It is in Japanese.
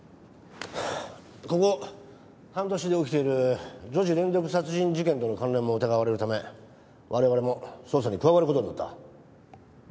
ここ半年で起きている女児連続殺人事件との関連も疑われるため我々も捜査に加わる事になった。